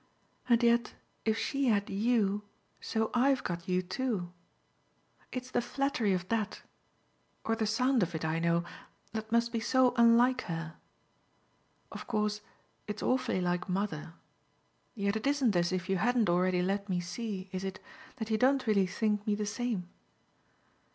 "And yet if she had YOU, so I've got you too. It's the flattery of that, or the sound of it, I know, that must be so unlike her. Of course it's awfully like mother; yet it isn't as if you hadn't already let me see is it? that you don't really think me the same."